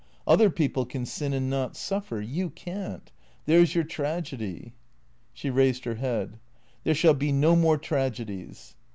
Other people can sin and not suffer. You can't. There's your tragedy." She raised her head. " There shall be no more tragedies."